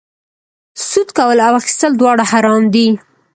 سود کول او اخیستل دواړه حرام دي